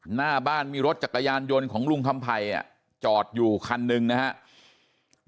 หน้าบ้านมีรถจักรยานยนต์ของลุงคำไผ่จอดอยู่คันหนึ่งนะครับ